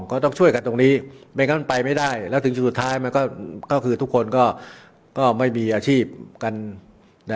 ก็ต้องช่วยกันตรงนี้ไม่งั้นไปไม่ได้แล้วถึงจุดสุดท้ายมันก็คือทุกคนก็ไม่มีอาชีพกัน